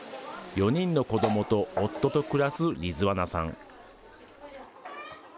４人の子どもと夫と暮らすリズワナさん。